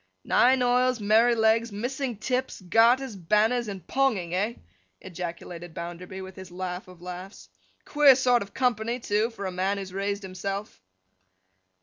'Nine oils, Merrylegs, missing tips, garters, banners, and Ponging, eh!' ejaculated Bounderby, with his laugh of laughs. 'Queer sort of company, too, for a man who has raised himself!